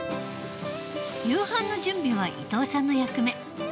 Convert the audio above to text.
夕飯の準備は伊藤さんの役目。